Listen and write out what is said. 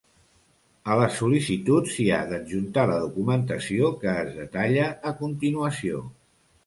A les sol·licituds, s'hi ha d'adjuntar la documentació que es detalla a continuació.